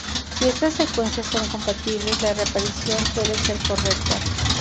Si estas secuencias son compatibles, la reparación suele ser correcta.